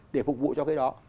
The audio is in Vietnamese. để phục vụ cho cái đó